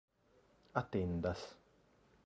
atendas